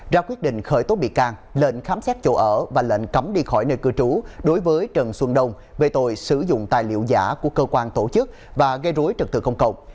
ra quyết định khởi tố bị can lệnh khám xét chỗ ở và lệnh cấm đi khỏi nơi cư trú đối với trần xuân đông về tội sử dụng tài liệu giả của cơ quan tổ chức và gây rối trật tự công cộng